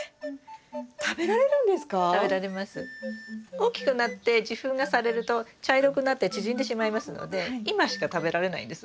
大きくなって受粉がされると茶色くなって縮んでしまいますので今しか食べられないんです。